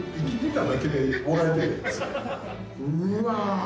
うわ。